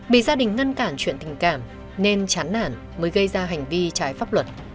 bị gia đình ngăn cản chuyện tình cảm nên chán nản mới gây ra hành vi trái pháp luật